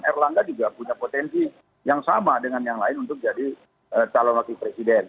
erlangga juga punya potensi yang sama dengan yang lain untuk jadi calon wakil presiden